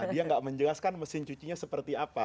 dia nggak menjelaskan mesin cucinya seperti apa